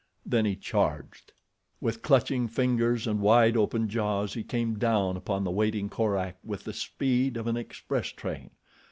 Then he charged. With clutching fingers and wide opened jaws he came down upon the waiting Korak with the speed of an express train.